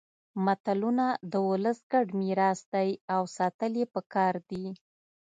متلونه د ولس ګډ میراث دي او ساتل يې پکار دي